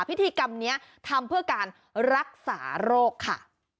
พิธีกรรมนี้ทำเพื่อการรักษาโรคค่ะ